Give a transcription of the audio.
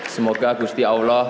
semoga gusti allah